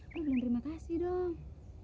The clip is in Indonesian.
gue bilang terima kasih dong